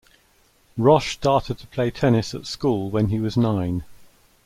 Roche started to play tennis at school when he was nine.